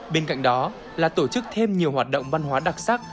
bên cạnh đó là tổ chức thêm nhiều hoạt động văn hóa đặc sắc